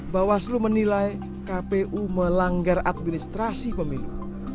bawaslu menilai kpu melanggar administrasi pemilu